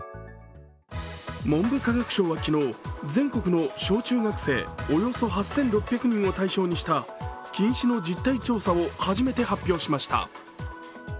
文部科学省は昨日、全国の小中学生およそ８６００人を対象とした近視の実態調査を初めて発表しました。